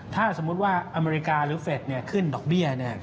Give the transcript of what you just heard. ถ้าสมมุติว่าอเมริกาหรือเฟสขึ้นดอกเบี้ย